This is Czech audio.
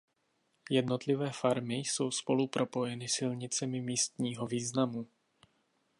Jednotlivé farmy jsou spolu propojeny silnicemi místního významu.